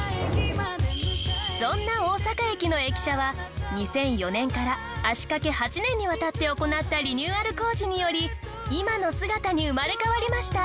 そんな大阪駅の駅舎は２００４年から足掛け８年にわたって行ったリニューアル工事により今の姿に生まれ変わりました。